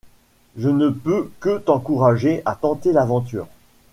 Je ne peux que t’encourager à tenter l’aventure.